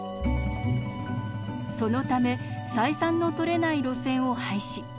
そのため採算のとれない路線を廃止。